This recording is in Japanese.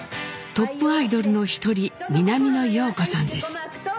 トップアイドルの一人南野陽子さんです。